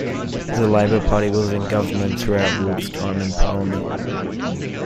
The Labour Party was in Government throughout Ward's time in Parliament.